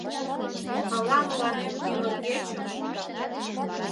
Ала мыланем ӱмыргечым